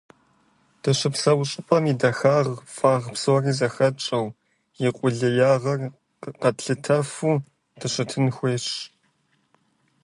Дыщыпсэу щӏыпӏэм и дахагъ, фӏагъ псори зыхэтщӏэу, и къулеягъыр къэтлъытэфу дыщытын хуейщ.